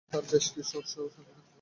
এখানে তার বেশ কিছু অশ্ব ও সৈন্য নিহত হয়।